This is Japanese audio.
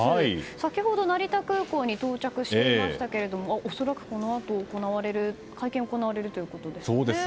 先ほど成田空港に到着しましたけれども恐らく、このあと会見が行われるということです。